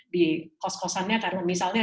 di kos kosannya karena misalnya